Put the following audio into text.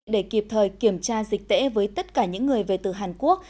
để kịp thời kiểm tra dịch tễ với tất cả những người về từ hàn quốc